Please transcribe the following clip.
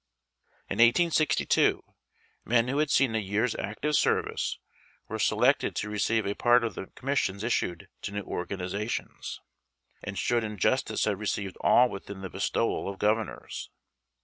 In 1862, men who had seen a year's active service were selected to receive a part of the commissions issued to new organizations, and should in justice have received all within, the bestowal of governors.